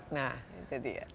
nah itu dia